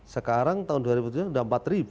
sekarang tahun dua ribu tujuh sudah empat ribu